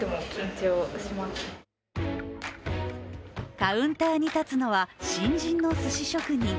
カウンターに立つのは新人のすし職人。